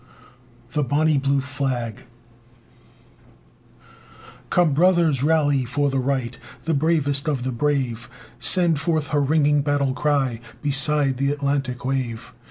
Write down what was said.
THE BONNIE BLUE FLAG Come, brothers! rally for the right! The bravest of the brave Sends forth her ringing battle cry Beside the Atlantic wave!